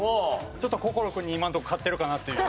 ちょっと心君に今のところ勝ってるかなっていう。